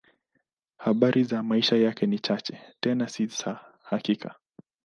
Habari za maisha yake ni chache, tena si za hakika.